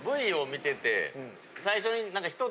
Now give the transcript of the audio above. Ｖを見てて最初に何か。